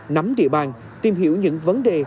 nắm địa bàn tìm hiểu những vấn đề